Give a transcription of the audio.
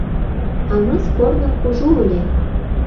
А мыйс корно кужу ыле.